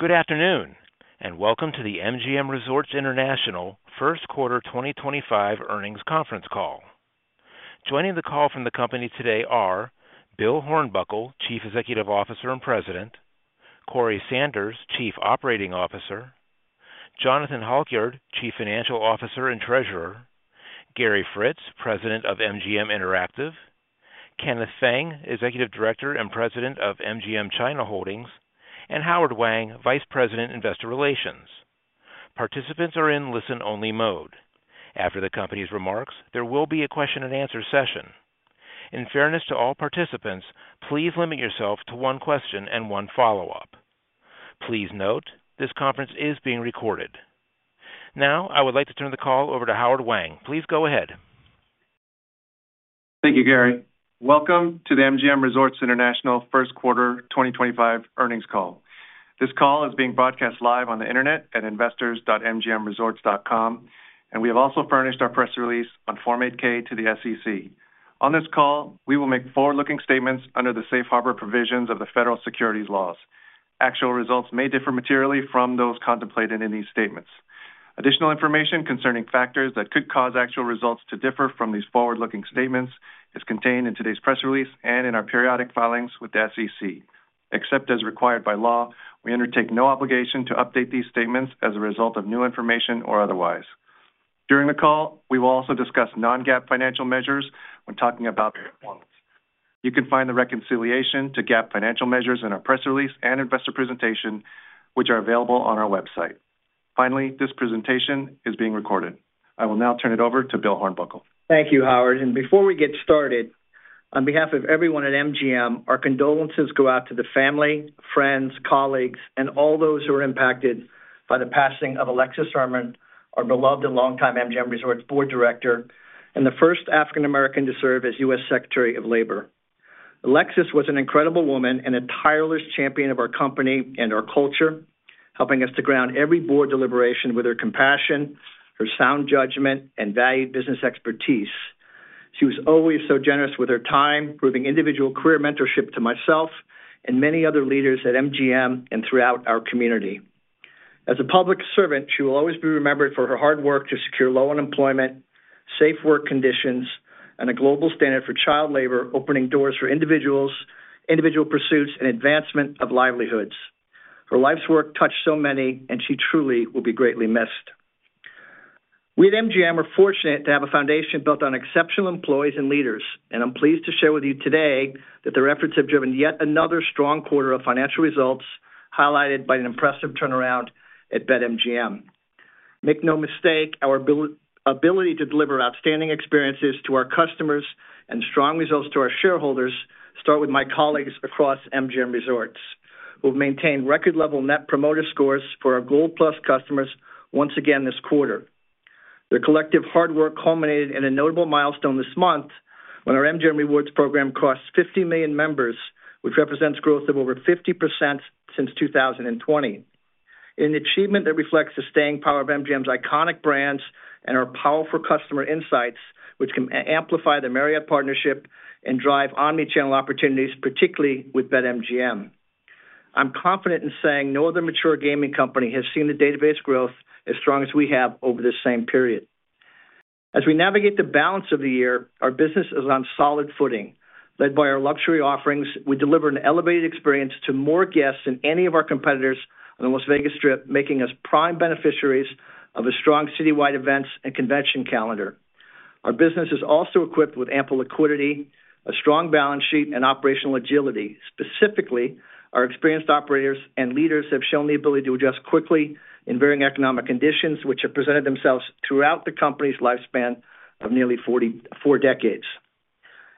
Good afternoon, and welcome to the MGM Resorts International first quarter 2025 earnings conference call. Joining the call from the company today are Bill Hornbuckle, Chief Executive Officer and President; Corey Sanders, Chief Operating Officer; Jonathan Halkyard, Chief Financial Officer and Treasurer; Gary Fritz, President of MGM Interactive; Kenneth Feng, Executive Director and President of MGM China Holdings; and Howard Wang, Vice President, Investor Relations. Participants are in listen-only mode. After the company's remarks, there will be a question-and-answer session. In fairness to all participants, please limit yourself to one question and one follow-up. Please note, this conference is being recorded. Now, I would like to turn the call over to Howard Wang. Please go ahead. Thank you, Gary. Welcome to the MGM Resorts International First Quarter 2025 Earnings Call. This call is being broadcast live on the internet at investors.mgmresorts.com, and we have also furnished our press release on Form 8-K to the SEC. On this call, we will make forward-looking statements under the safe harbor provisions of the federal securities laws. Actual results may differ materially from those contemplated in these statements. Additional information concerning factors that could cause actual results to differ from these forward-looking statements is contained in today's press release and in our periodic filings with the SEC. Except as required by law, we undertake no obligation to update these statements as a result of new information or otherwise. During the call, we will also discuss non-GAAP financial measures when talking about performance. You can find the reconciliation to GAAP financial measures in our press release and investor presentation, which are available on our website. Finally, this presentation is being recorded. I will now turn it over to Bill Hornbuckle. Thank you, Howard. Before we get started, on behalf of everyone at MGM, our condolences go out to the family, friends, colleagues, and all those who are impacted by the passing of Alexis Herman, our beloved and longtime MGM Resorts Board Director and the first African American to serve as U.S. Secretary of Labor. Alexis was an incredible woman and a tireless champion of our company and our culture, helping us to ground every board deliberation with her compassion, her sound judgment, and valued business expertise. She was always so generous with her time, providing individual career mentorship to myself and many other leaders at MGM and throughout our community. As a public servant, she will always be remembered for her hard work to secure low unemployment, safe work conditions, and a global standard for child labor, opening doors for individual pursuits and advancement of livelihoods. Her life's work touched so many, and she truly will be greatly missed. We at MGM are fortunate to have a foundation built on exceptional employees and leaders, and I'm pleased to share with you today that the efforts have driven yet another strong quarter of financial results highlighted by an impressive turnaround at BetMGM. Make no mistake, our ability to deliver outstanding experiences to our customers and strong results to our shareholders start with my colleagues across MGM Resorts, who have maintained record-level Net Promoter Scores for our Gold Plus customers once again this quarter. Their collective hard work culminated in a notable milestone this month when our MGM Rewards program crossed 50 million members, which represents growth of over 50% since 2020. An achievement that reflects the staying power of MGM's iconic brands and our powerful customer insights, which can amplify the Marriott partnership and drive omnichannel opportunities, particularly with BetMGM. I'm confident in saying no other mature gaming company has seen the database growth as strong as we have over this same period. As we navigate the balance of the year, our business is on solid footing. Led by our luxury offerings, we deliver an elevated experience to more guests than any of our competitors on the Las Vegas Strip, making us prime beneficiaries of a strong citywide events and convention calendar. Our business is also equipped with ample liquidity, a strong balance sheet, and operational agility. Specifically, our experienced operators and leaders have shown the ability to adjust quickly in varying economic conditions, which have presented themselves throughout the company's lifespan of nearly four decades.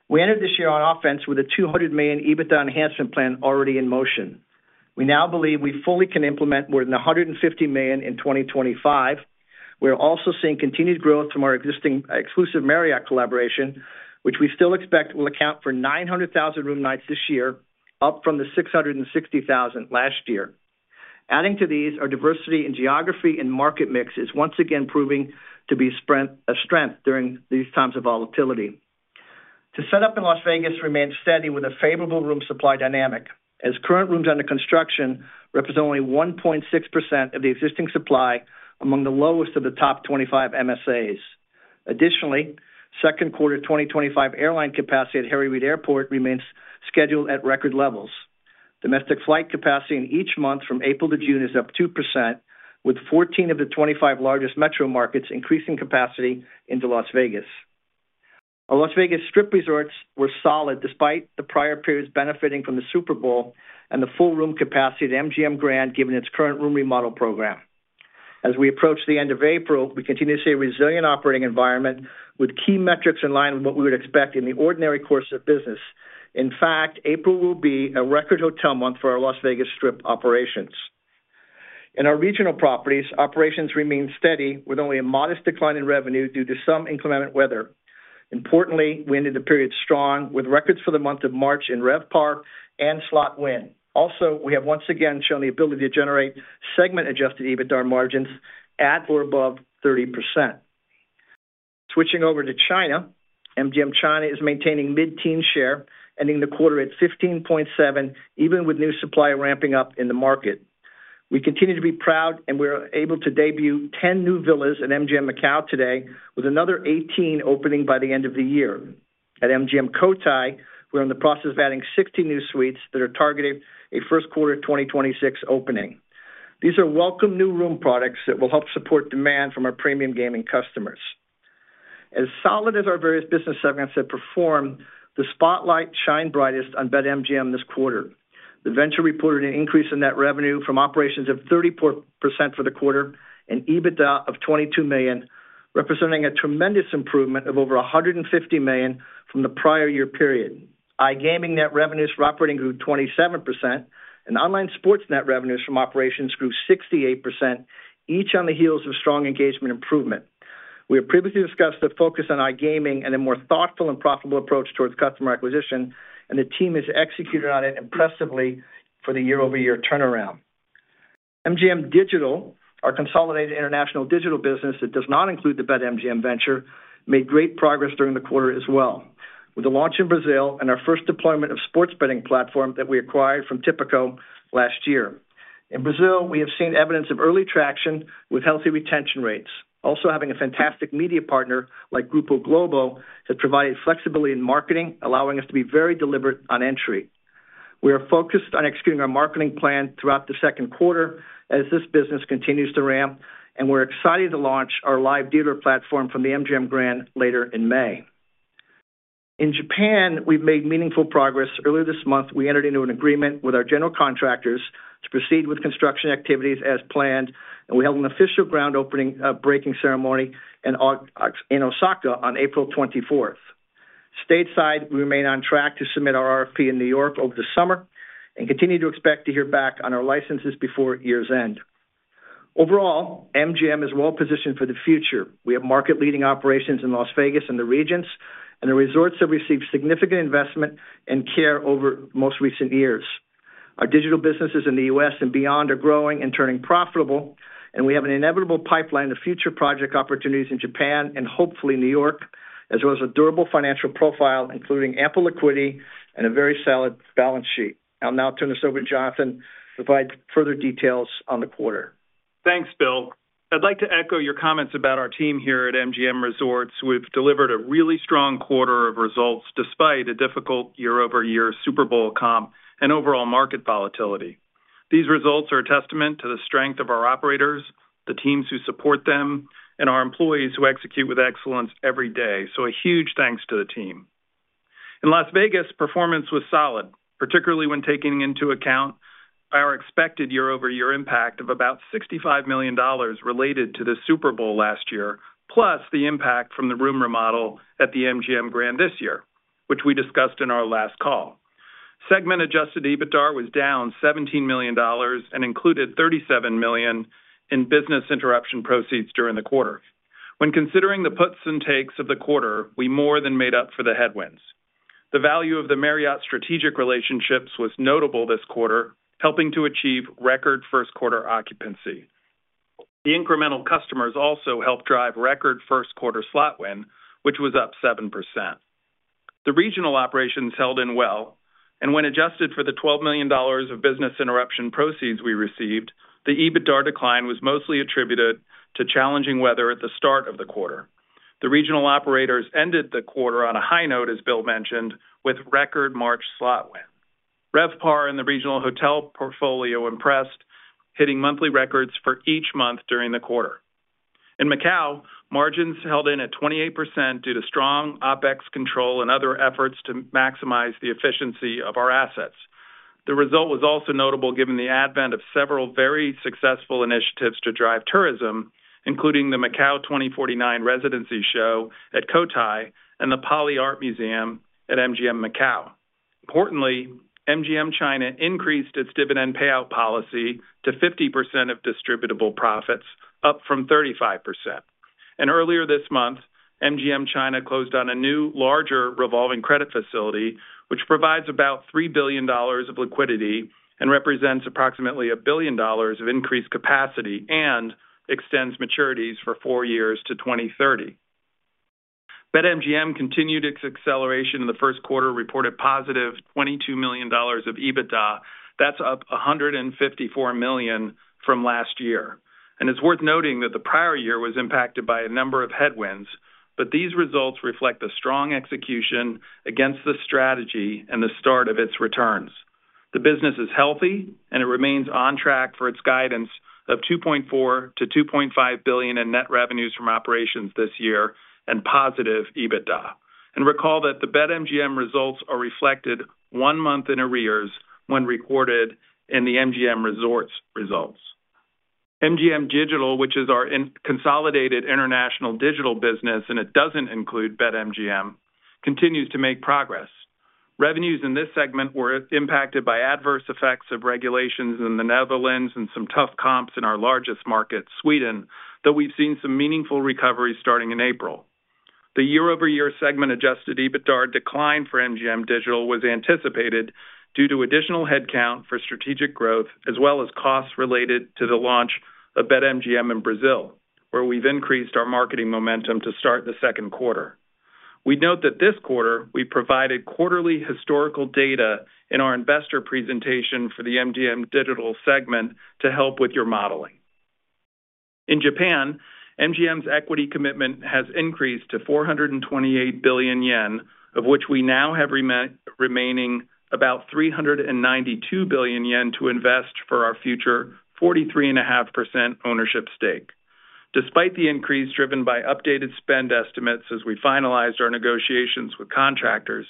We entered this year on offense with a $200 million EBITDA enhancement plan already in motion. We now believe we fully can implement more than $150 million in 2025. We are also seeing continued growth from our existing exclusive Marriott collaboration, which we still expect will account for 900,000 room nights this year, up from the 660,000 last year. Adding to these are diversity in geography and market mixes once again proving to be a strength during these times of volatility. To set up in Las Vegas remains steady with a favorable room supply dynamic, as current rooms under construction represent only 1.6% of the existing supply among the lowest of the top 25 MSAs. Additionally, second quarter 2025 airline capacity at Harry Reid International Airport remains scheduled at record levels. Domestic flight capacity in each month from April to June is up 2%, with 14 of the 25 largest metro markets increasing capacity into Las Vegas. Our Las Vegas Strip resorts were solid despite the prior periods benefiting from the Super Bowl and the full room capacity at MGM Grand given its current room remodel program. As we approach the end of April, we continue to see a resilient operating environment with key metrics in line with what we would expect in the ordinary course of business. In fact, April will be a record hotel month for our Las Vegas Strip operations. In our regional properties, operations remain steady with only a modest decline in revenue due to some inclement weather. Importantly, we ended the period strong with records for the month of March in RevPAR and Slot Win. Also, we have once again shown the ability to generate segment-adjusted EBITDA margins at or above 30%. Switching over to China, MGM China is maintaining mid-teen share, ending the quarter at 15.7%, even with new supply ramping up in the market. We continue to be proud, and we are able to debut 10 new villas at MGM Macau today, with another 18 opening by the end of the year. At MGM Cotai, we are in the process of adding 60 new suites that are targeting a first quarter 2026 opening. These are welcome new room products that will help support demand from our premium gaming customers. As solid as our various business segments have performed, the spotlight shined brightest on BetMGM this quarter. The venture reported an increase in net revenue from operations of 34% for the quarter and EBITDA of $22 million, representing a tremendous improvement of over $150 million from the prior year period. iGaming net revenues for operating grew 27%, and online sports net revenues from operations grew 68%, each on the heels of strong engagement improvement. We have previously discussed the focus on iGaming and a more thoughtful and profitable approach towards customer acquisition, and the team has executed on it impressively for the year-over-year turnaround. MGM Digital, our consolidated international digital business that does not include the BetMGM venture, made great progress during the quarter as well, with the launch in Brazil and our first deployment of sports betting platform that we acquired from Tipico last year. In Brazil, we have seen evidence of early traction with healthy retention rates. Also, having a fantastic media partner like Grupo Globo has provided flexibility in marketing, allowing us to be very deliberate on entry. We are focused on executing our marketing plan throughout the second quarter as this business continues to ramp, and we're excited to launch our live dealer platform from the MGM Grand later in May. In Japan, we've made meaningful progress. Earlier this month, we entered into an agreement with our general contractors to proceed with construction activities as planned, and we held an official ground-breaking ceremony in Osaka on April 24th. Stateside, we remain on track to submit our RFP in New York over the summer and continue to expect to hear back on our licenses before year's end. Overall, MGM is well positioned for the future. We have market-leading operations in Las Vegas and the regions, and the resorts have received significant investment and care over most recent years. Our digital businesses in the U.S. and beyond are growing and turning profitable, and we have an inevitable pipeline of future project opportunities in Japan and hopefully New York, as well as a durable financial profile, including ample liquidity and a very solid balance sheet. I'll now turn this over to Jonathan to provide further details on the quarter. Thanks, Bill. I'd like to echo your comments about our team here at MGM Resorts. We've delivered a really strong quarter of results despite a difficult year-over-year Super Bowl comp and overall market volatility. These results are a testament to the strength of our operators, the teams who support them, and our employees who execute with excellence every day. A huge thanks to the team. In Las Vegas, performance was solid, particularly when taking into account our expected year-over-year impact of about $65 million related to the Super Bowl last year, plus the impact from the room remodel at the MGM Grand this year, which we discussed in our last call. Segment-adjusted EBITDA was down $17 million and included $37 million in business interruption proceeds during the quarter. When considering the puts and takes of the quarter, we more than made up for the headwinds. The value of the Marriott strategic relationships was notable this quarter, helping to achieve record first-quarter occupancy. The incremental customers also helped drive record first-quarter slot win, which was up 7%. The regional operations held in well, and when adjusted for the $12 million of business interruption proceeds we received, the EBITDA decline was mostly attributed to challenging weather at the start of the quarter. The regional operators ended the quarter on a high note, as Bill mentioned, with record March slot win. RevPAR and the regional hotel portfolio impressed, hitting monthly records for each month during the quarter. In Macau, margins held in at 28% due to strong OpEx control and other efforts to maximize the efficiency of our assets. The result was also notable given the advent of several very successful initiatives to drive tourism, including the Macau 2049 Residency Show at Cotai and the Poly Art Museum at MGM Macau. Importantly, MGM China increased its dividend payout policy to 50% of distributable profits, up from 35%. Earlier this month, MGM China closed on a new, larger revolving credit facility, which provides about $3 billion of liquidity and represents approximately $1 billion of increased capacity and extends maturities for four years to 2030. BetMGM continued its acceleration in the first quarter, reported positive $22 million of EBITDA. That's up $154 million from last year. It's worth noting that the prior year was impacted by a number of headwinds, but these results reflect a strong execution against the strategy and the start of its returns. The business is healthy, and it remains on track for its guidance of $2.4 billion-$2.5 billion in net revenues from operations this year and positive EBITDA. Recall that the BetMGM results are reflected one month in arrears when recorded in the MGM Resorts results. MGM Digital, which is our consolidated international digital business, and it does not include BetMGM, continues to make progress. Revenues in this segment were impacted by adverse effects of regulations in the Netherlands and some tough comps in our largest market, Sweden, though we have seen some meaningful recovery starting in April. The year-over-year segment-adjusted EBITDA decline for MGM Digital was anticipated due to additional headcount for strategic growth, as well as costs related to the launch of BetMGM in Brazil, where we have increased our marketing momentum to start the second quarter. We note that this quarter, we provided quarterly historical data in our investor presentation for the MGM Digital segment to help with your modeling. In Japan, MGM's equity commitment has increased to 428 billion yen, of which we now have remaining about 392 billion yen to invest for our future 43.5% ownership stake. Despite the increase driven by updated spend estimates as we finalized our negotiations with contractors,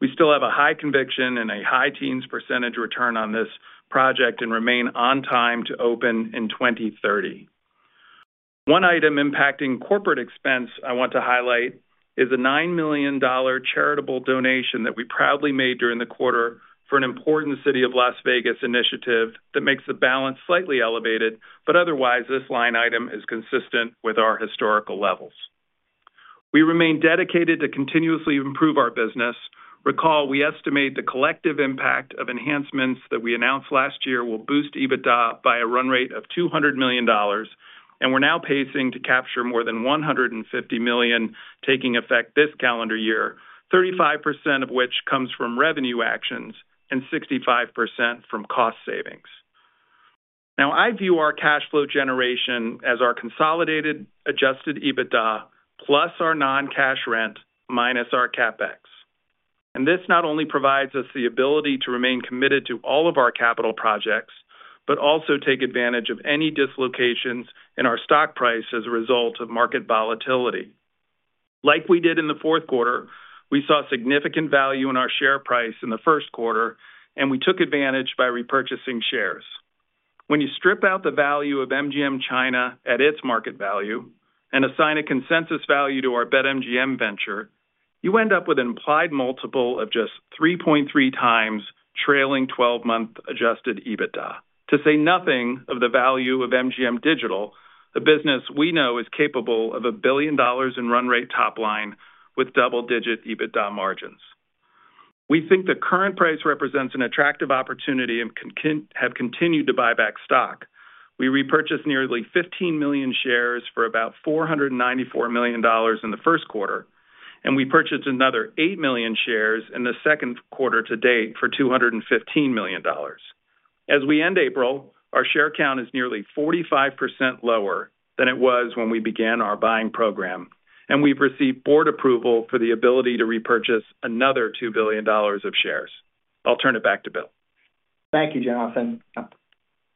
we still have a high conviction and a high teens percentage return on this project and remain on time to open in 2030. One item impacting corporate expense I want to highlight is a $9 million charitable donation that we proudly made during the quarter for an important City of Las Vegas initiative that makes the balance slightly elevated, but otherwise, this line item is consistent with our historical levels. We remain dedicated to continuously improve our business. Recall, we estimate the collective impact of enhancements that we announced last year will boost EBITDA by a run rate of $200 million, and we're now pacing to capture more than $150 million taking effect this calendar year, 35% of which comes from revenue actions and 65% from cost savings. Now, I view our cash flow generation as our consolidated adjusted EBITDA plus our non-cash rent minus our CapEx. This not only provides us the ability to remain committed to all of our capital projects, but also take advantage of any dislocations in our stock price as a result of market volatility. Like we did in the fourth quarter, we saw significant value in our share price in the first quarter, and we took advantage by repurchasing shares. When you strip out the value of MGM China at its market value and assign a consensus value to our BetMGM venture, you end up with an implied multiple of just 3.3 times trailing 12-month adjusted EBITDA. To say nothing of the value of MGM Digital, the business we know is capable of a billion dollars in run rate top line with double-digit EBITDA margins. We think the current price represents an attractive opportunity and have continued to buy back stock. We repurchased nearly 15 million shares for about $494 million in the first quarter, and we purchased another 8 million shares in the second quarter to date for $215 million. As we end April, our share count is nearly 45% lower than it was when we began our buying program, and we've received board approval for the ability to repurchase another $2 billion of shares. I'll turn it back to Bill. Thank you, Jonathan.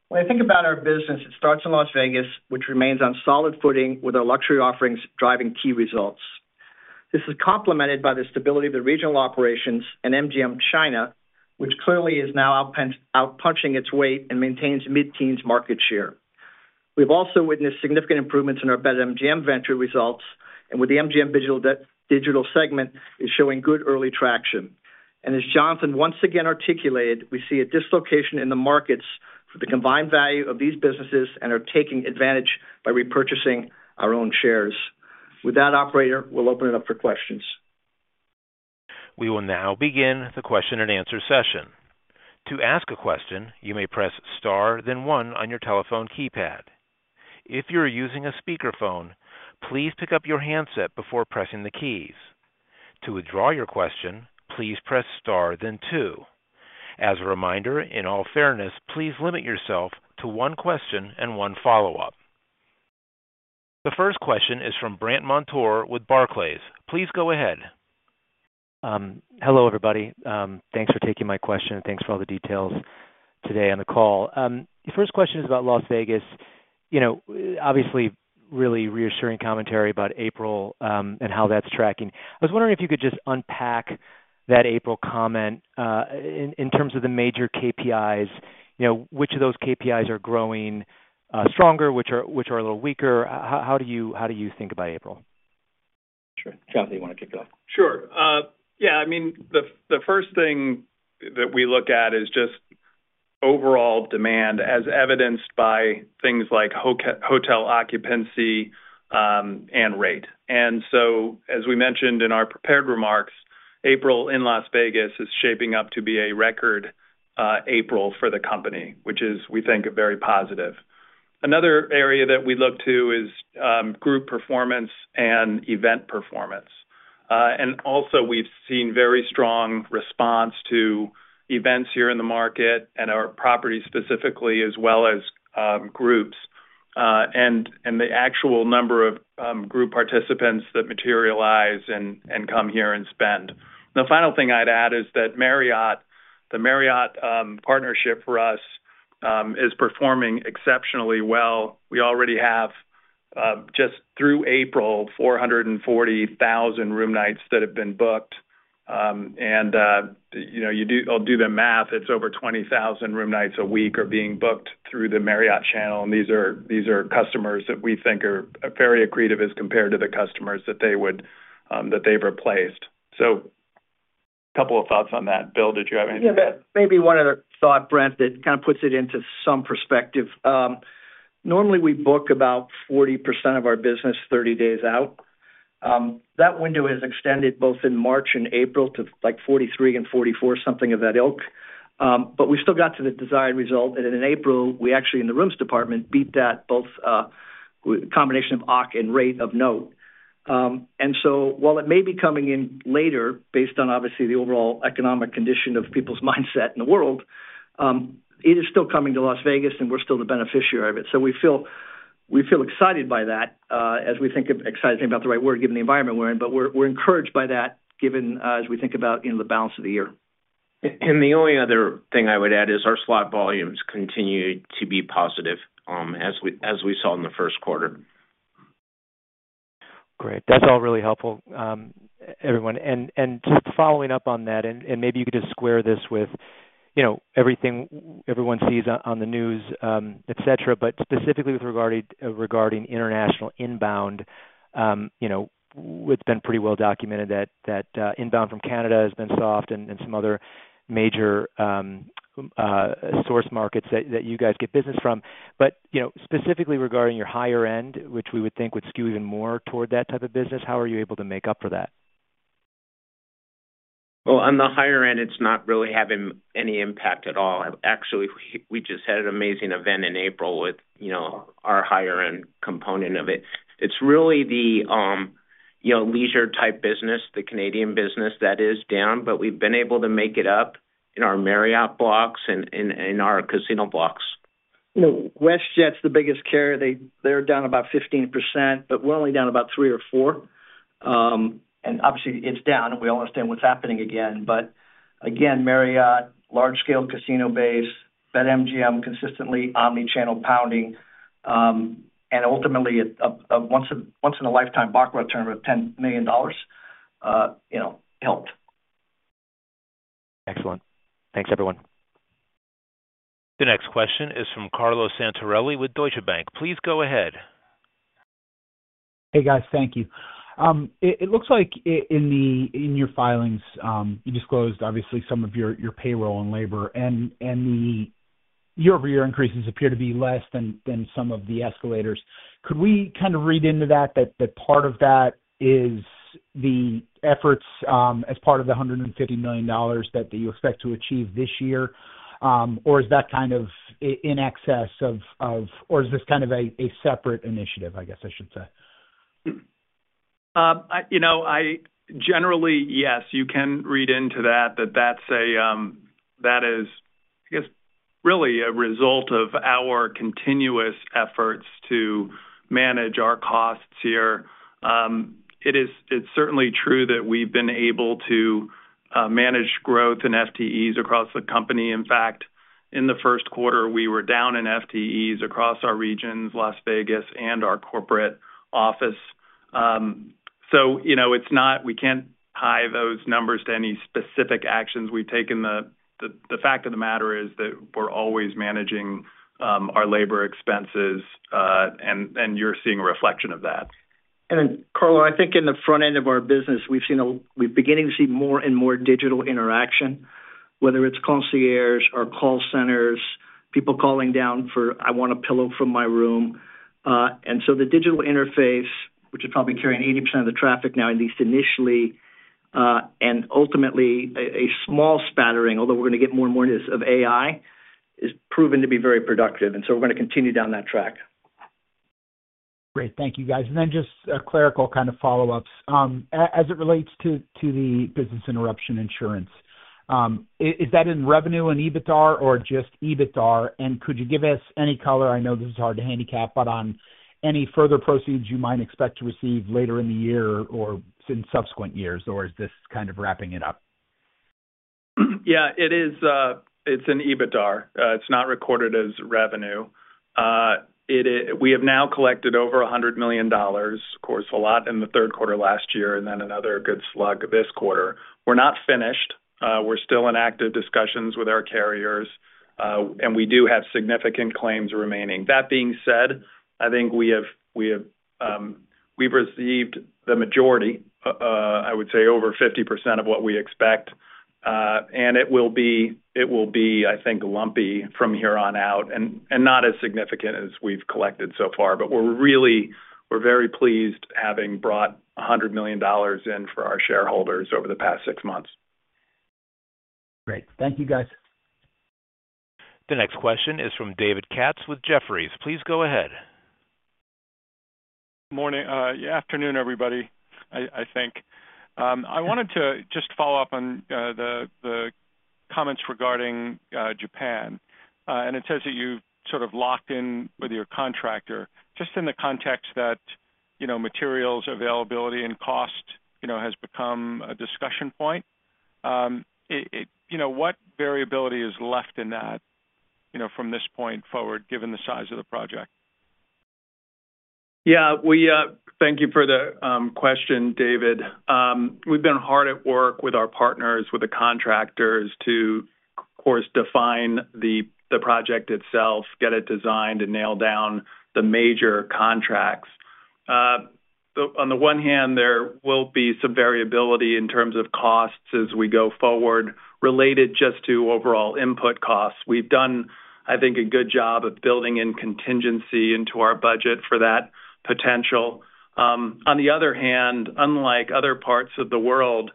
When I think about our business, it starts in Las Vegas, which remains on solid footing with our luxury offerings driving key results. This is complemented by the stability of the regional operations and MGM China, which clearly is now outpunching its weight and maintains mid-teens market share. We've also witnessed significant improvements in our BetMGM venture results, and with the MGM Digital segment, it's showing good early traction. As Jonathan once again articulated, we see a dislocation in the markets for the combined value of these businesses and are taking advantage by repurchasing our own shares. With that, operator, we'll open it up for questions. We will now begin the question and answer session. To ask a question, you may press star, then one on your telephone keypad. If you're using a speakerphone, please pick up your handset before pressing the keys. To withdraw your question, please press star, then two. As a reminder, in all fairness, please limit yourself to one question and one follow-up. The first question is from Brandt Montour with Barclays. Please go ahead. Hello, everybody. Thanks for taking my question, and thanks for all the details today on the call. The first question is about Las Vegas. Obviously, really reassuring commentary about April and how that's tracking. I was wondering if you could just unpack that April comment in terms of the major KPIs. Which of those KPIs are growing stronger, which are a little weaker? How do you think about April? Sure. Jonathan, you want to kick it off? Sure. Yeah. I mean, the first thing that we look at is just overall demand, as evidenced by things like hotel occupancy and rate. As we mentioned in our prepared remarks, April in Las Vegas is shaping up to be a record April for the company, which is, we think, very positive. Another area that we look to is group performance and event performance. Also, we've seen very strong response to events here in the market and our property specifically, as well as groups, and the actual number of group participants that materialize and come here and spend. The final thing I'd add is that Marriott, the Marriott partnership for us, is performing exceptionally well. We already have, just through April, 440,000 room nights that have been booked. You'll do the math. It's over 20,000 room nights a week are being booked through the Marriott channel, and these are customers that we think are very accretive as compared to the customers that they've replaced. A couple of thoughts on that. Bill, did you have anything? Yeah. Maybe one other thought, Brent, that kind of puts it into some perspective. Normally, we book about 40% of our business 30 days out. That window is extended both in March and April to like 43% and 44%, something of that ilk. We still got to the desired result. In April, we actually, in the rooms department, beat that, both a combination of OC and rate of note. While it may be coming in later based on, obviously, the overall economic condition of people's mindset in the world, it is still coming to Las Vegas, and we're still the beneficiary of it. We feel excited by that, as we think of excited, thinking about the right word, given the environment we're in. We're encouraged by that, given, as we think about the balance of the year. The only other thing I would add is our slot volumes continue to be positive, as we saw in the first quarter. Great. That's all really helpful, everyone. Just following up on that, and maybe you could just square this with everything everyone sees on the news, etc., but specifically with regarding international inbound, it's been pretty well documented that inbound from Canada has been soft and some other major source markets that you guys get business from. Specifically regarding your higher end, which we would think would skew even more toward that type of business, how are you able to make up for that? On the higher end, it's not really having any impact at all. Actually, we just had an amazing event in April with our higher-end component of it. It's really the leisure-type business, the Canadian business that is down, but we've been able to make it up in our Marriott blocks and in our casino blocks. WestJet's the biggest carrier. They're down about 15%, but we're only down about 3% or 4%. Obviously, it's down, and we all understand what's happening again. Marriott, large-scale casino base, BetMGM consistently, omnichannel pounding, and ultimately, a once-in-a-lifetime baccarat turnover of $10 million helped. Excellent. Thanks, everyone. The next question is from Carlo Santarelli with Deutsche Bank. Please go ahead. Hey, guys. Thank you. It looks like in your filings, you disclosed, obviously, some of your payroll and labor, and your over-year increases appear to be less than some of the escalators. Could we kind of read into that, that part of that is the efforts as part of the $150 million that you expect to achieve this year, or is that kind of in excess of, or is this kind of a separate initiative, I guess I should say? Generally, yes. You can read into that that is, I guess, really a result of our continuous efforts to manage our costs here. It's certainly true that we've been able to manage growth in FTEs across the company. In fact, in the first quarter, we were down in FTEs across our regions, Las Vegas and our corporate office. We can't tie those numbers to any specific actions we've taken. The fact of the matter is that we're always managing our labor expenses, and you're seeing a reflection of that. Carl, I think in the front end of our business, we're beginning to see more and more digital interaction, whether it's concierges or call centers, people calling down for, "I want a pillow for my room." The digital interface, which is probably carrying 80% of the traffic now, at least initially, and ultimately, a small spattering, although we're going to get more and more of AI, is proven to be very productive. We're going to continue down that track. Great. Thank you, guys. Just clerical kind of follow-ups. As it relates to the business interruption insurance, is that in revenue and EBITDA or just EBITDA? Could you give us any color? I know this is hard to handicap, but on any further proceeds you might expect to receive later in the year or in subsequent years, or is this kind of wrapping it up? Yeah. It's in EBITDA. It's not recorded as revenue. We have now collected over $100 million, of course, a lot in the third quarter last year and then another good slug this quarter. We're not finished. We're still in active discussions with our carriers, and we do have significant claims remaining. That being said, I think we've received the majority, I would say over 50% of what we expect. It will be, I think, lumpy from here on out and not as significant as we've collected so far. We're very pleased having brought $100 million in for our shareholders over the past six months. Great. Thank you, guys. The next question is from David Katz with Jefferies. Please go ahead. Good morning. Yeah, afternoon, everybody, I think. I wanted to just follow up on the comments regarding Japan. And it says that you've sort of locked in with your contractor. Just in the context that materials availability and cost has become a discussion point, what variability is left in that from this point forward, given the size of the project? Yeah. Thank you for the question, David. We've been hard at work with our partners, with the contractors, to, of course, define the project itself, get it designed, and nail down the major contracts. On the one hand, there will be some variability in terms of costs as we go forward related just to overall input costs. We've done, I think, a good job of building in contingency into our budget for that potential. On the other hand, unlike other parts of the world,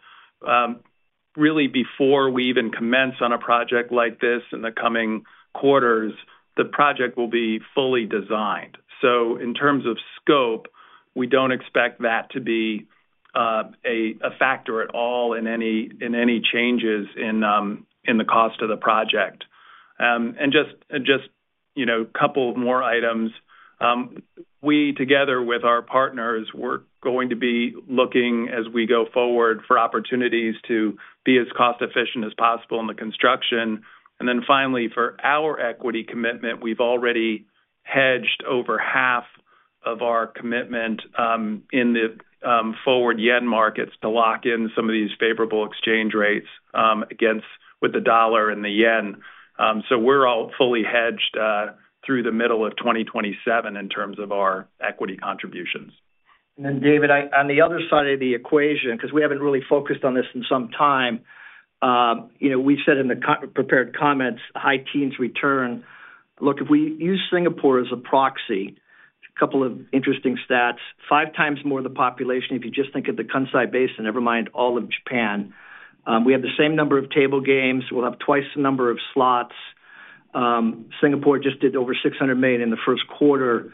really, before we even commence on a project like this in the coming quarters, the project will be fully designed. In terms of scope, we don't expect that to be a factor at all in any changes in the cost of the project. Just a couple more items. We, together with our partners, are going to be looking, as we go forward, for opportunities to be as cost-efficient as possible in the construction. Finally, for our equity commitment, we have already hedged over half of our commitment in the forward yen markets to lock in some of these favorable exchange rates against the dollar and the yen. We are fully hedged through the middle of 2027 in terms of our equity contributions. David, on the other side of the equation, because we haven't really focused on this in some time, we said in the prepared comments, high teens return. Look, if we use Singapore as a proxy, a couple of interesting stats. Five times more of the population, if you just think of the Kansai Basin, never mind all of Japan. We have the same number of table games. We'll have twice the number of slots. Singapore just did over $600 million in the first quarter.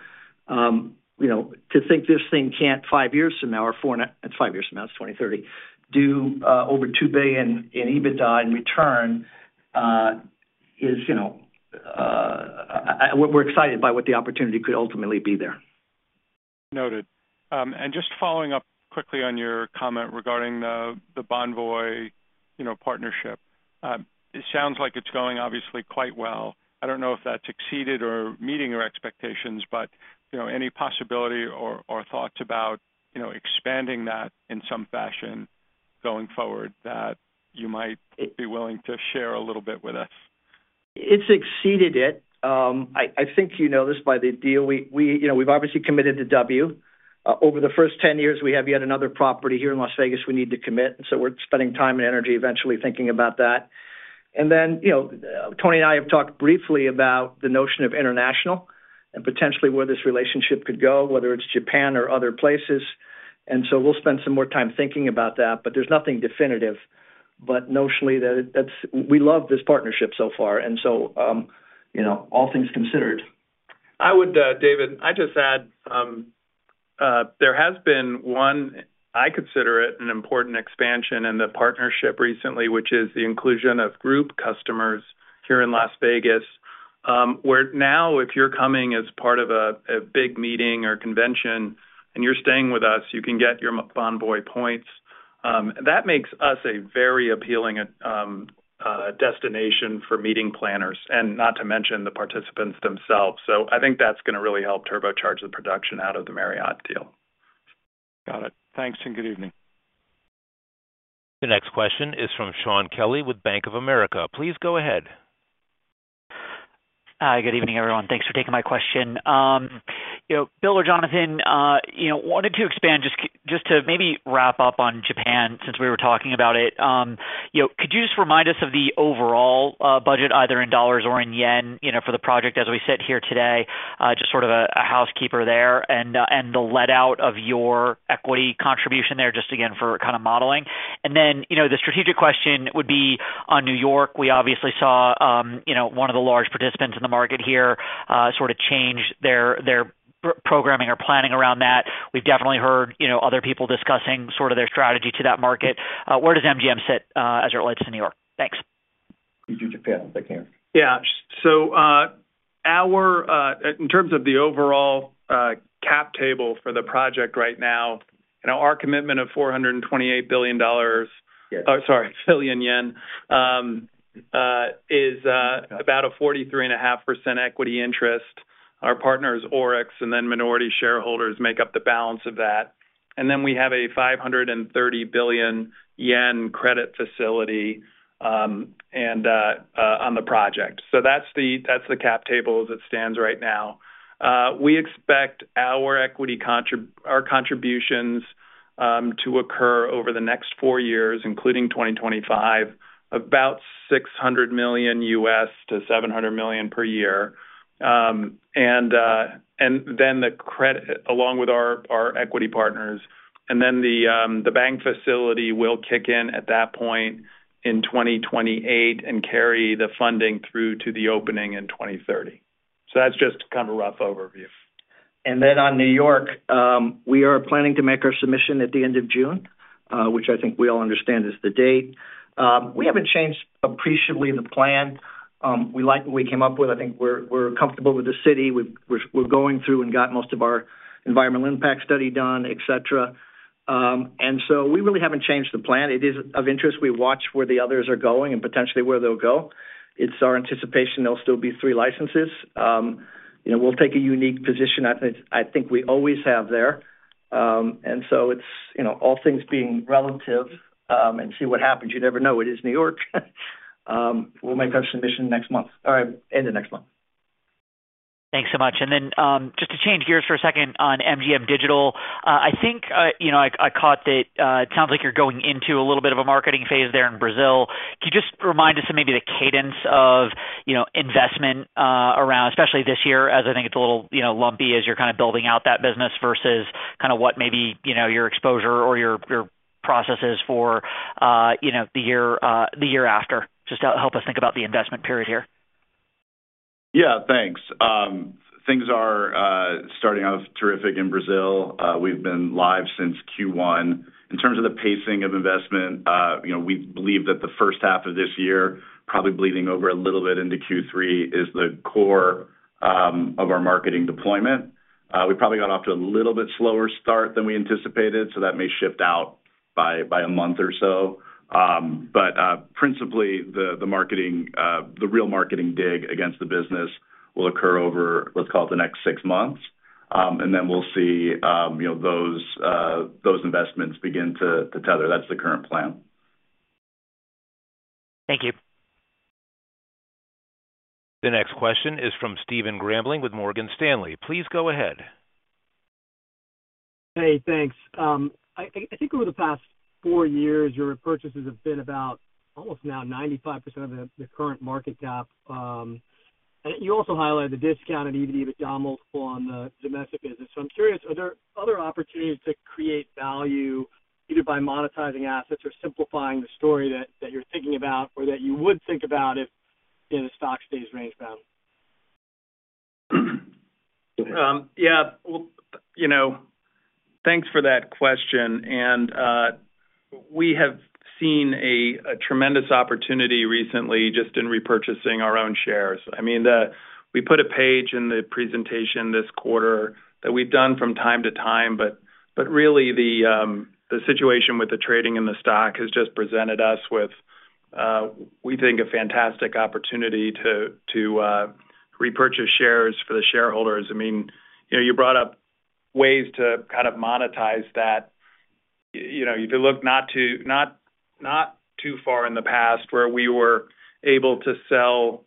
To think this thing can't, five years from now, or four and five years from now, that's 2030, do over $2 billion in EBITDA in return is we're excited by what the opportunity could ultimately be there. Noted. Just following up quickly on your comment regarding the Bonvoy partnership, it sounds like it's going, obviously, quite well. I don't know if that's exceeded or meeting your expectations, but any possibility or thoughts about expanding that in some fashion going forward that you might be willing to share a little bit with us? It's exceeded it. I think you know this by the deal. We've obviously committed to W. Over the first 10 years, we have yet another property here in Las Vegas we need to commit. We are spending time and energy eventually thinking about that. Tony and I have talked briefly about the notion of international and potentially where this relationship could go, whether it's Japan or other places. We will spend some more time thinking about that, but there's nothing definitive. Notionally, we love this partnership so far. All things considered. I would, David, I just add there has been one, I consider it an important expansion in the partnership recently, which is the inclusion of group customers here in Las Vegas, where now, if you're coming as part of a big meeting or convention and you're staying with us, you can get your Bonvoy points. That makes us a very appealing destination for meeting planners and not to mention the participants themselves. I think that's going to really help turbocharge the production out of the Marriott deal. Got it. Thanks and good evening. The next question is from Shaun Kelley with Bank of America. Please go ahead. Hi, good evening, everyone. Thanks for taking my question. Bill or Jonathan, wanted to expand just to maybe wrap up on Japan since we were talking about it. Could you just remind us of the overall budget, either in dollars or in yen, for the project as we sit here today, just sort of a housekeeper there and the let-out of your equity contribution there just again for kind of modeling? The strategic question would be on New York. We obviously saw one of the large participants in the market here sort of change their programming or planning around that. We've definitely heard other people discussing sort of their strategy to that market. Where does MGM sit as it relates to New York? Thanks. You do Japan. I'm thinking of. Yeah. In terms of the overall cap table for the project right now, our commitment of JPY 428 billion, oh, sorry, billion yen, is about a 43.5% equity interest. Our partners, ORIX, and then minority shareholders make up the balance of that. We have a 530 billion yen credit facility on the project. That is the cap table as it stands right now. We expect our contributions to occur over the next four years, including 2025, about $600 million-$700 million per year. The credit, along with our equity partners, and the bank facility will kick in at that point in 2028 and carry the funding through to the opening in 2030. That is just kind of a rough overview. On New York, we are planning to make our submission at the end of June, which I think we all understand is the date. We have not changed appreciably the plan. We like what we came up with. I think we are comfortable with the city. We are going through and got most of our environmental impact study done, etc. We really have not changed the plan. It is of interest. We watch where the others are going and potentially where they will go. It is our anticipation there will still be three licenses. We will take a unique position, I think we always have there. It is all things being relative and see what happens. You never know. It is New York. We will make our submission next month or end of next month. Thanks so much. Just to change gears for a second on MGM Digital, I think I caught that it sounds like you're going into a little bit of a marketing phase there in Brazil. Could you just remind us of maybe the cadence of investment around, especially this year, as I think it's a little lumpy as you're kind of building out that business versus kind of what maybe your exposure or your process is for the year after? Just help us think about the investment period here. Yeah. Thanks. Things are starting off terrific in Brazil. We've been live since Q1. In terms of the pacing of investment, we believe that the first half of this year, probably bleeding over a little bit into Q3, is the core of our marketing deployment. We probably got off to a little bit slower start than we anticipated, so that may shift out by a month or so. Principally, the real marketing dig against the business will occur over, let's call it, the next six months. We will see those investments begin to tether. That's the current plan. Thank you. The next question is from Stephen Grambling with Morgan Stanley. Please go ahead. Hey, thanks. I think over the past four years, your purchases have been about almost now 95% of the current market cap. You also highlighted the discounted EV multiples on the domestic business. I'm curious, are there other opportunities to create value either by monetizing assets or simplifying the story that you're thinking about or that you would think about if the stock stays rangebound? Yeah. Thanks for that question. We have seen a tremendous opportunity recently just in repurchasing our own shares. I mean, we put a page in the presentation this quarter that we've done from time to time, but really, the situation with the trading in the stock has just presented us with, we think, a fantastic opportunity to repurchase shares for the shareholders. I mean, you brought up ways to kind of monetize that. If you look not too far in the past where we were able to sell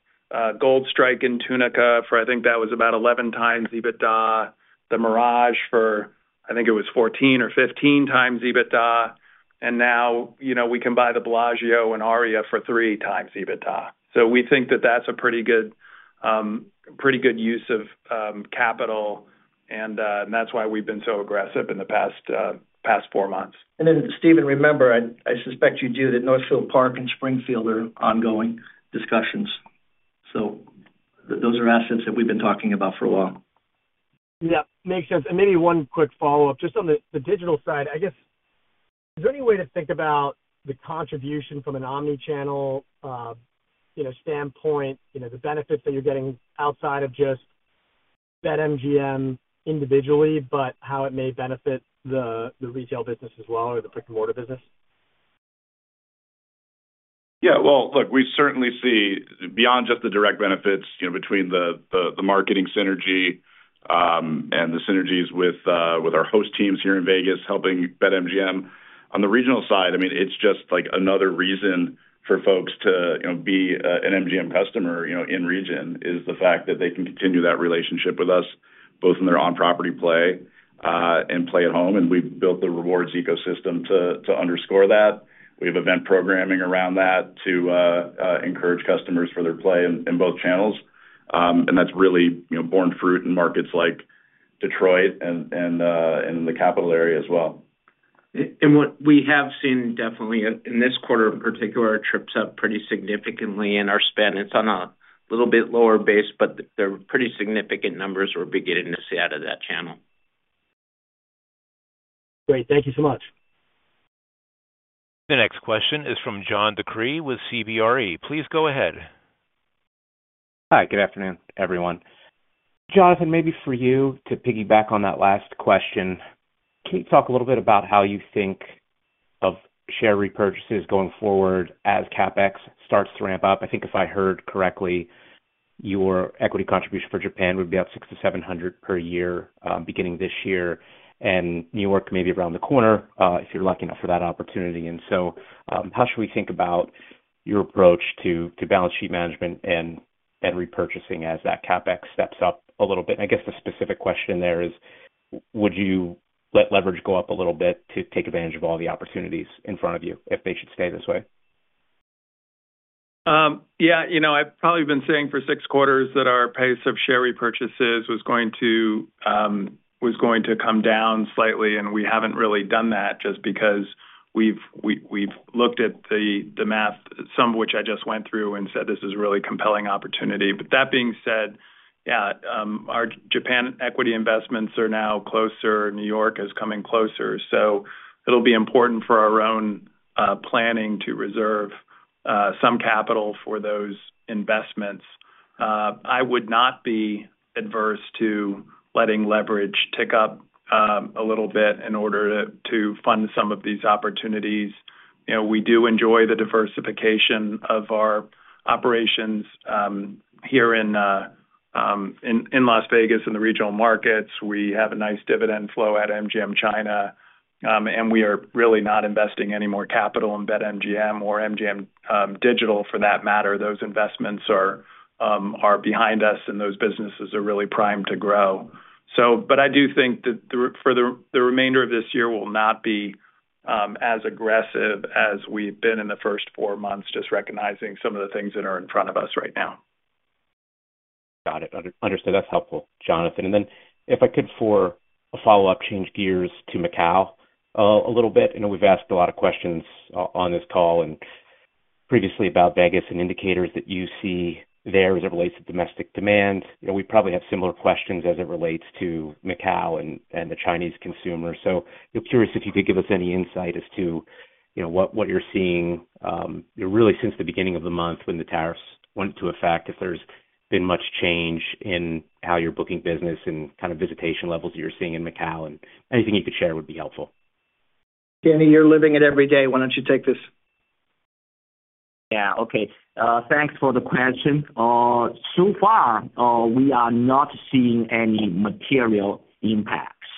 Gold Strike and Tunica for, I think that was about 11 times EBITDA, the Mirage for, I think it was 14 or 15 times EBITDA. Now we can buy the Bellagio and Aria for three times EBITDA. We think that that's a pretty good use of capital. That's why we've been so aggressive in the past four months. Steven, remember, I suspect you do that Northfield Park and Springfield are ongoing discussions. Those are assets that we've been talking about for a while. Yeah. Makes sense. Maybe one quick follow-up. Just on the digital side, I guess, is there any way to think about the contribution from an omnichannel standpoint, the benefits that you're getting outside of just BetMGM individually, but how it may benefit the retail business as well or the brick-and-mortar business? Yeah. Look, we certainly see beyond just the direct benefits between the marketing synergy and the synergies with our host teams here in Vegas helping BetMGM. On the regional side, I mean, it's just like another reason for folks to be an MGM customer in region is the fact that they can continue that relationship with us both in their on-property play and play at home. We've built the rewards ecosystem to underscore that. We have event programming around that to encourage customers for their play in both channels. That's really borne fruit in markets like Detroit and in the capital area as well. What we have seen definitely in this quarter in particular, trips up pretty significantly in our spend. It is on a little bit lower base, but they are pretty significant numbers we are beginning to see out of that channel. Great. Thank you so much. The next question is from John DeCree with CBRE. Please go ahead. Hi. Good afternoon, everyone. Jonathan, maybe for you to piggyback on that last question, can you talk a little bit about how you think of share repurchases going forward as CapEx starts to ramp up? I think if I heard correctly, your equity contribution for Japan would be about $600 million-$700 million per year beginning this year, and New York may be around the corner if you're lucky enough for that opportunity. How should we think about your approach to balance sheet management and repurchasing as that CapEx steps up a little bit? I guess the specific question there is, would you let leverage go up a little bit to take advantage of all the opportunities in front of you if they should stay this way? Yeah. I've probably been saying for six quarters that our pace of share repurchases was going to come down slightly, and we haven't really done that just because we've looked at the math, some of which I just went through and said, "This is a really compelling opportunity." That being said, yeah, our Japan equity investments are now closer. New York is coming closer. It will be important for our own planning to reserve some capital for those investments. I would not be adverse to letting leverage tick up a little bit in order to fund some of these opportunities. We do enjoy the diversification of our operations here in Las Vegas and the regional markets. We have a nice dividend flow at MGM China, and we are really not investing any more capital in BetMGM or MGM Digital for that matter. Those investments are behind us, and those businesses are really primed to grow. I do think that for the remainder of this year, we'll not be as aggressive as we've been in the first four months, just recognizing some of the things that are in front of us right now. Got it. Understood. That's helpful, Jonathan. If I could, for a follow-up, change gears to Macau a little bit. We've asked a lot of questions on this call previously about Vegas and indicators that you see there as it relates to domestic demand. We probably have similar questions as it relates to Macau and the Chinese consumer. Curious if you could give us any insight as to what you're seeing really since the beginning of the month when the tariffs went into effect, if there's been much change in how you're booking business and kind of visitation levels that you're seeing in Macau. Anything you could share would be helpful. Kenny, you're living it every day. Why don't you take this? Yeah. Okay. Thanks for the question. So far, we are not seeing any material impacts.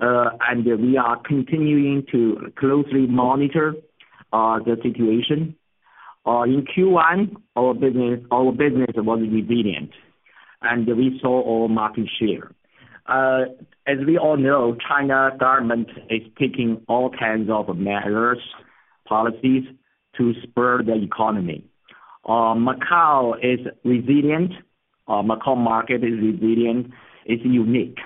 We are continuing to closely monitor the situation. In Q1, our business was resilient, and we saw our market share. As we all know, the China government is taking all kinds of measures, policies to spur the economy. Macau is resilient. The Macau market is resilient. It is unique.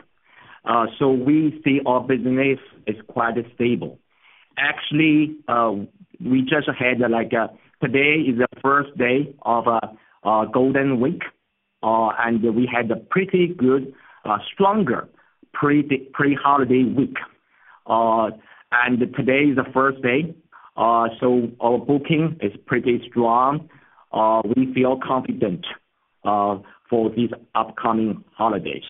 We see our business is quite stable. Actually, today is the first day of a golden week, and we had a pretty good, stronger pre-holiday week. Today is the first day. Our booking is pretty strong. We feel confident for these upcoming holidays.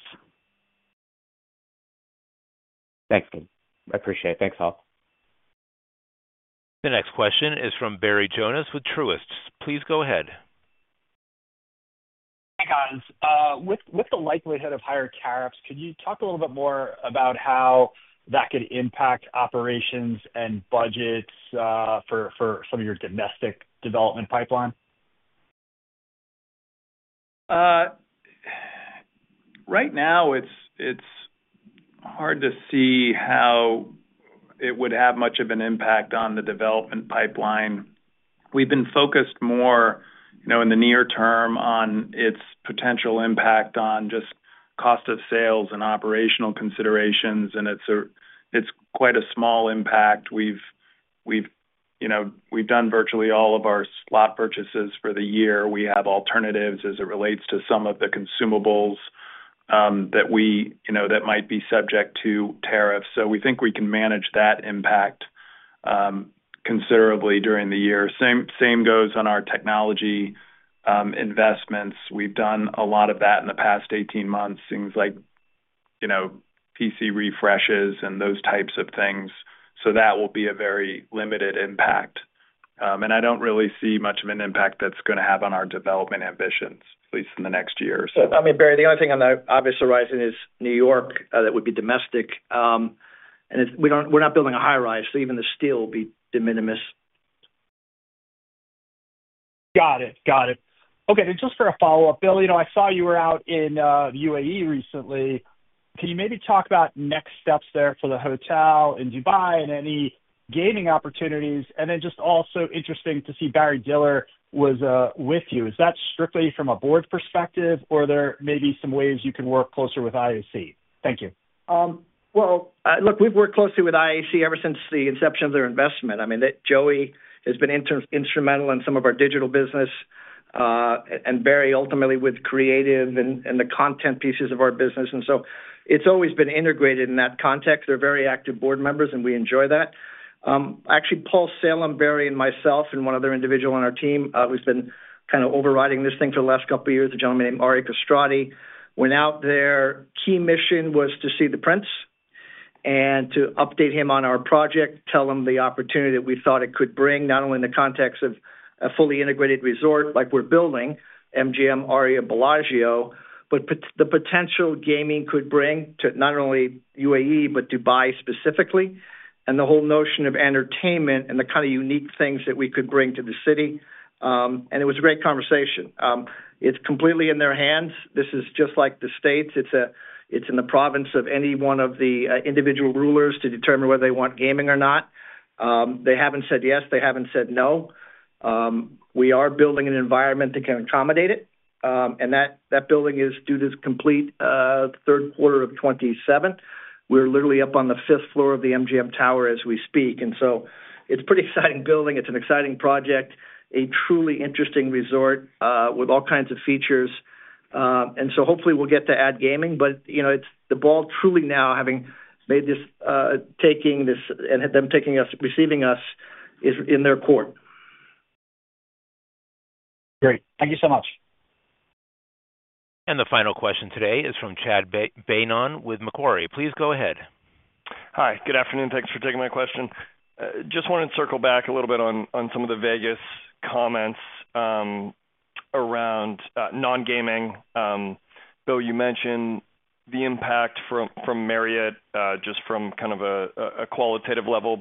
Thanks, Tim. I appreciate it. Thanks all. The next question is from Barry Jonas with Truist. Please go ahead. Hey, guys. With the likelihood of higher tariffs, could you talk a little bit more about how that could impact operations and budgets for some of your domestic development pipeline? Right now, it's hard to see how it would have much of an impact on the development pipeline. We've been focused more in the near term on its potential impact on just cost of sales and operational considerations, and it's quite a small impact. We've done virtually all of our slot purchases for the year. We have alternatives as it relates to some of the consumables that might be subject to tariffs. We think we can manage that impact considerably during the year. The same goes on our technology investments. We've done a lot of that in the past 18 months, things like PC refreshes and those types of things. That will be a very limited impact. I don't really see much of an impact that's going to have on our development ambitions, at least in the next year or so. I mean, Barry, the only thing on the obvious horizon is New York that would be domestic. We're not building a high rise, so even the steel will be de minimis. Got it. Got it. Okay. Just for a follow-up, Bill, I saw you were out in UAE recently. Can you maybe talk about next steps there for the hotel in Dubai and any gaming opportunities? Just also interesting to see Barry Diller was with you. Is that strictly from a board perspective, or are there maybe some ways you can work closer with IAC? Thank you. Look, we've worked closely with IAC ever since the inception of their investment. I mean, Joey has been instrumental in some of our digital business, and Barry, ultimately, with creative and the content pieces of our business. It has always been integrated in that context. They're very active board members, and we enjoy that. Actually, Paul Salem, Barry, and myself, and one other individual on our team who's been kind of overriding this thing for the last couple of years, a gentleman named Ari Kastrati, went out there. Key mission was to see the prints and to update him on our project, tell him the opportunity that we thought it could bring, not only in the context of a fully integrated resort like we're building, MGM, Aria, Bellagio, but the potential gaming could bring to not only UAE, but Dubai specifically, and the whole notion of entertainment and the kind of unique things that we could bring to the city. It was a great conversation. It's completely in their hands. This is just like the States. It's in the province of any one of the individual rulers to determine whether they want gaming or not. They haven't said yes. They haven't said no. We are building an environment that can accommodate it. That building is due to complete third quarter of 2027. We're literally up on the fifth floor of the MGM Tower as we speak. It is a pretty exciting building. It is an exciting project, a truly interesting resort with all kinds of features. Hopefully, we will get to add gaming. The ball truly now, having made this, taking this, and them receiving us, is in their court. Great. Thank you so much. The final question today is from Chad Beynon with Macquarie. Please go ahead. Hi. Good afternoon. Thanks for taking my question. Just wanted to circle back a little bit on some of the Vegas comments around non-gaming. Bill, you mentioned the impact from Marriott just from kind of a qualitative level.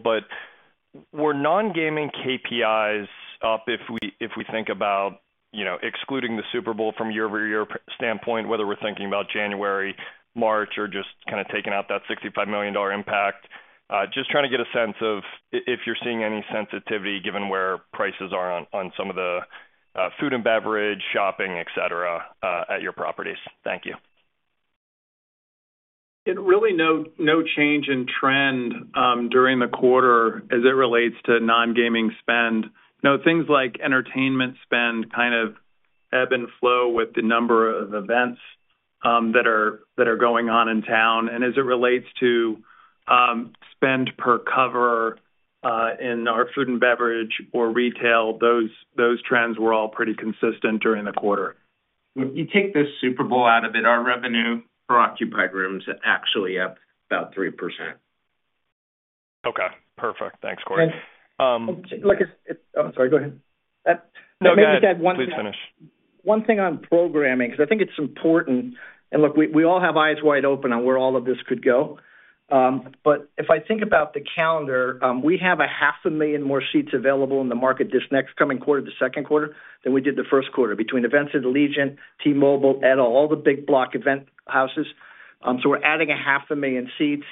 Were non-gaming KPIs up if we think about excluding the Super Bowl from a year-over-year standpoint, whether we're thinking about January, March, or just kind of taking out that $65 million impact? Just trying to get a sense of if you're seeing any sensitivity given where prices are on some of the food and beverage, shopping, etc., at your properties. Thank you. It really no change in trend during the quarter as it relates to non-gaming spend. No, things like entertainment spend kind of ebb and flow with the number of events that are going on in town. As it relates to spend per cover in our food and beverage or retail, those trends were all pretty consistent during the quarter. If you take the Super Bowl out of it, our revenue for occupied rooms actually up about 3%. Okay. Perfect. Thanks, Corey. I'm sorry. Go ahead. No, go ahead. Please finish. One thing on programming, because I think it's important. Look, we all have eyes wide open on where all of this could go. If I think about the calendar, we have 500,000 more seats available in the market this next coming quarter, the second quarter, than we did the first quarter between events at Allegiant, T-Mobile, et al., all the big block event houses. We are adding 500,000 seats,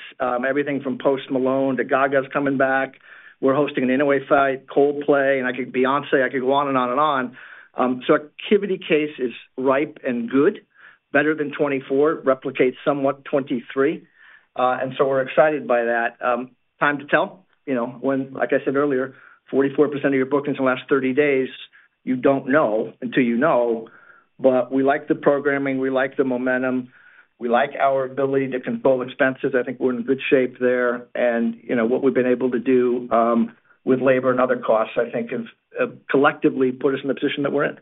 everything from Post Malone to Gaga's coming back. We are hosting an Inoue fight, Coldplay, and I could Beyoncé. I could go on and on and on. activity pace is ripe and good, better than 2024, replicates somewhat 2023. We are excited by that. Time to tell. Like I said earlier, 44% of your bookings in the last 30 days, you do not know until you know. We like the programming. We like the momentum. We like our ability to control expenses. I think we're in good shape there. What we've been able to do with labor and other costs, I think, has collectively put us in the position that we're in.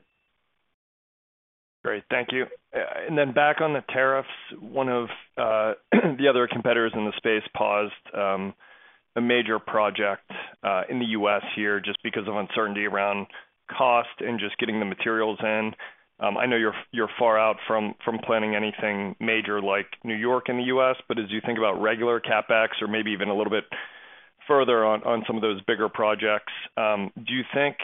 Great. Thank you. Back on the tariffs, one of the other competitors in the space paused a major project in the U.S. here just because of uncertainty around cost and just getting the materials in. I know you're far out from planning anything major like New York in the U.S., but as you think about regular CapEx or maybe even a little bit further on some of those bigger projects, do you think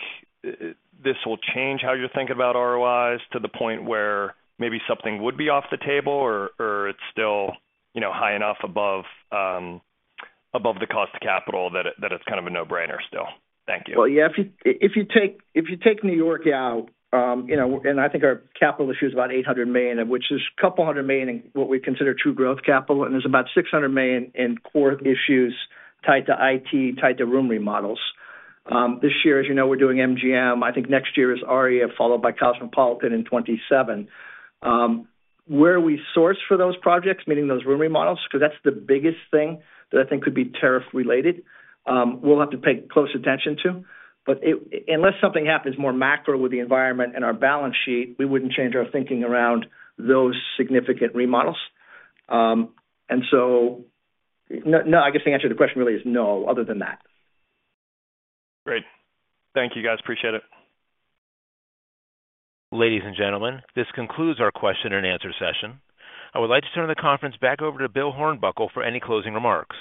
this will change how you're thinking about ROIs to the point where maybe something would be off the table, or it's still high enough above the cost of capital that it's kind of a no-brainer still? Thank you. If you take New York out, and I think our capital issue is about $800 million, of which there's a couple hundred million in what we consider true growth capital, and there's about $600 million in core issues tied to IT, tied to room remodels. This year, as you know, we're doing MGM. I think next year is Aria, followed by Cosmopolitan in 2027. Where we source for those projects, meaning those room remodels, because that's the biggest thing that I think could be tariff-related, we'll have to pay close attention to. Unless something happens more macro with the environment and our balance sheet, we wouldn't change our thinking around those significant remodels. No, I guess the answer to the question really is no other than that. Great. Thank you, guys. Appreciate it. Ladies and gentlemen, this concludes our question and answer session. I would like to turn the conference back over to Bill Hornbuckle for any closing remarks.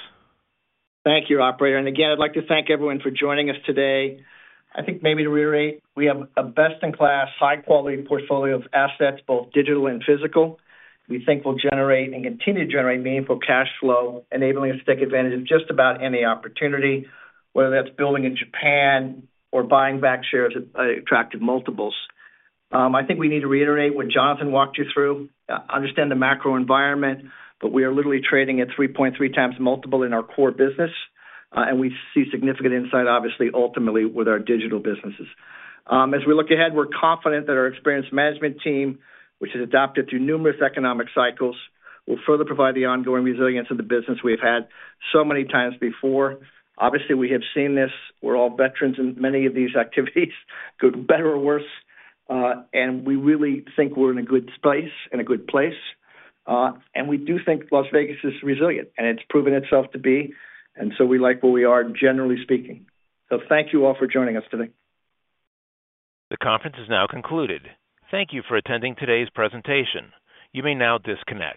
Thank you, Operator. I would like to thank everyone for joining us today. I think maybe to reiterate, we have a best-in-class, high-quality portfolio of assets, both digital and physical, we think will generate and continue to generate meaningful cash flow, enabling us to take advantage of just about any opportunity, whether that's building in Japan or buying back shares at attractive multiples. I think we need to reiterate what Jonathan walked you through, understand the macro environment, but we are literally trading at 3.3 times multiple in our core business, and we see significant insight, obviously, ultimately with our digital businesses. As we look ahead, we're confident that our experienced management team, which has adapted through numerous economic cycles, will further provide the ongoing resilience of the business we have had so many times before. Obviously, we have seen this. We're all veterans in many of these activities, good, better, or worse. We really think we're in a good space and a good place. We do think Las Vegas is resilient, and it's proven itself to be. We like where we are, generally speaking. Thank you all for joining us today. The conference is now concluded. Thank you for attending today's presentation. You may now disconnect.